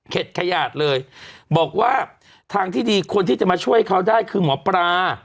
ขยาดเลยบอกว่าทางที่ดีคนที่จะมาช่วยเขาได้คือหมอปลา